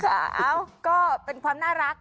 ค่ะเอ้าก็เป็นความน่ารัก